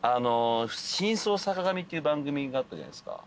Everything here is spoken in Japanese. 『シンソウ坂上』っていう番組があったじゃないっすか。